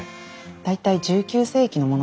大体１９世紀のものですね。